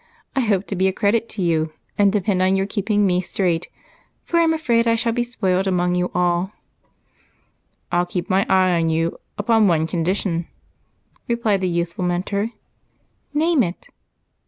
I hope to be a credit to you and depend on your keeping me straight, for I'm afraid I shall be spoilt among you all." "I'll keep my eye on you upon one condition," replied the youthful mentor. "Name it."